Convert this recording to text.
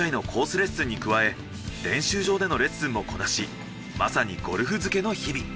レッスンに加え練習場でのレッスンもこなしまさにゴルフ漬けの日々。